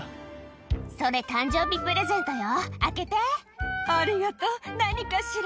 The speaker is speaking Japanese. それ、誕生日プレゼントよ、ありがとう、何かしら。